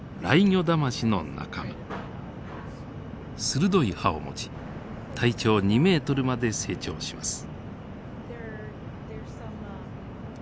鋭い歯を持ち体長２ｍまで成長します。